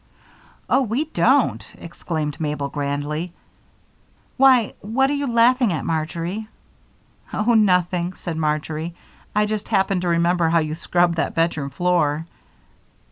"Oh, we don't!" exclaimed Mabel, grandly. "Why, what are you laughing at, Marjory?" "Oh, nothing," said Marjory. "I just happened to remember how you scrubbed that bedroom floor."